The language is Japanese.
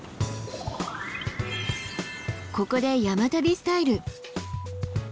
ここで「山旅スタイル」。